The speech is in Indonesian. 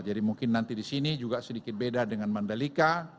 jadi mungkin nanti di sini juga sedikit beda dengan mandalika